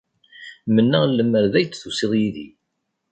Mennaɣ lemmer d ay d-tusiḍ yid-i.